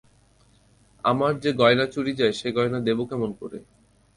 আমার যে গয়না চুরি যায় সে গয়না দেব কেমন করে?